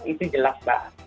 itu jelas mbak